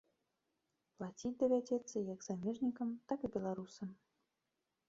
Плаціць давядзецца як замежнікам, так і беларусам.